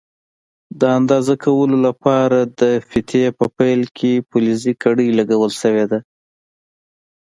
د اندازه کولو لپاره د فیتې په پیل کې فلزي کړۍ لګول شوې ده.